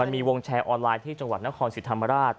มันมีวงแชร์ออนไลน์ที่จังหวัดนครสิทธิ์ธรรมราช